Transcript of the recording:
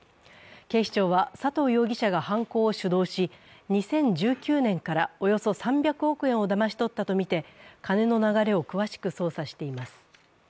警視庁は佐藤容疑者が犯行を主導し２０１９年からおよそ３００億円をだまし取ったとみて金の流れを詳しく捜査しています。